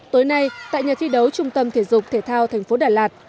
tối nay tại nhà thi đấu trung tâm thể dục thể thao tp đà lạt